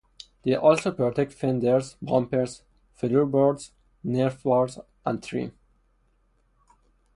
They also protect fenders, bumpers, floor boards, nerf bars and trim.